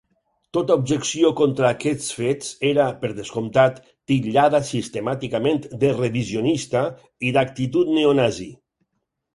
Tota objecció contra aquests fets era, per descomptat, titllada sistemàticament de revisionista i d'actitud neonazi.